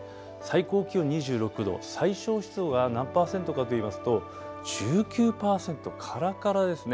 最高気温２６度、最小湿度は何％かといいますと１９％、からからですね。